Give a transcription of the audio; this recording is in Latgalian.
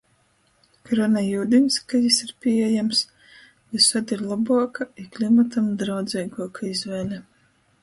Krana iudiņs, ka jis ir pīejams, vysod ir lobuoka i klimatam draudzeiguoka izvēle.